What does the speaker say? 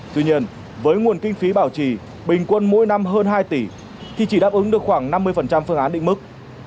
tuy nhiên với nguồn kinh phí bảo trì bình quân mỗi năm hơn hai tỷ thì chỉ đáp ứng được khoảng năm mươi phương án định mức